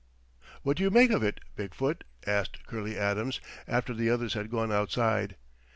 "What do you make of it, Big foot?" asked Curley Adams, after the others had gone outside.